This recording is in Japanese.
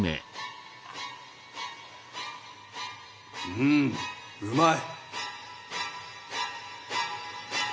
うんうまい。